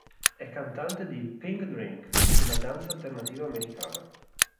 È cantante di Pink Drink, una danza alternativa americana.